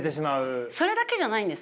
それだけじゃないんです。